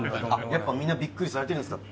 やっぱみんなビックリされてるんですか？